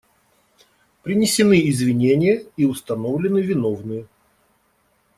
Принесены извинения и установлены виновные.